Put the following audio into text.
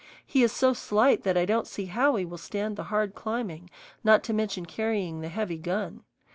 He is so slight that I don't see how he will stand the hard climbing, not to mention carrying the heavy gun.